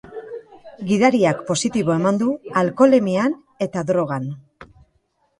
Gidariak positibo eman du alkoholemian eta drogan.